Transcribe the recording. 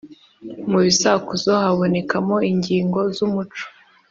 Mu bisakuzo habonekamo ingingo z’umuco.